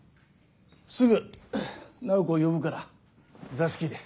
すぐ楠宝子を呼ぶから座敷で。